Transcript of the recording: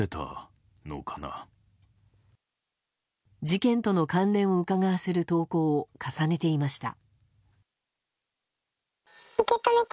事件との関連をうかがわせる投稿を重ねていました。